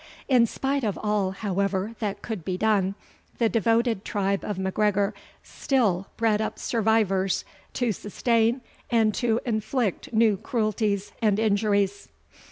In spite of all, however, that could be done, the devoted tribe of MacGregor still bred up survivors to sustain and to inflict new cruelties and injuries.